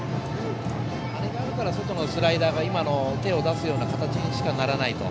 あれがあるから外のスライダーが手を出すような形にしかならないと。